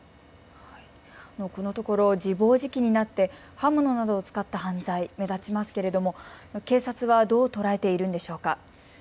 このところ自暴自棄になって刃物などを使った、犯罪目立ちますけれども警察はどう捉えているんでしょうか。